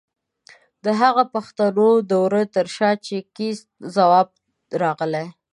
د هغو پښتنو د وره تر شا چې د کېست ځواب راغلی؛